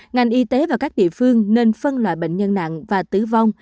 ngành y tế và các địa phương nên phân loại bệnh nhân nặng và tử vong